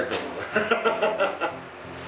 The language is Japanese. ハハハハッ。